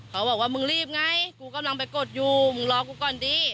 เขาบอกว่ามึงรีบไงกูกำลังไปกดอยู่มึงรอกูก่อนดี